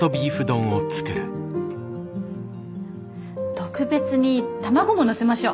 特別に卵ものせましょう。